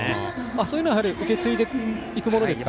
そういうのは受け継いでいくものですか。